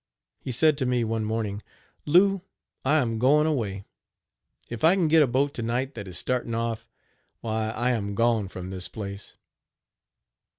He said to me, one morning: "Lou, I am going away. If I can get a boat to night that is starting off, why, I am gone from this place.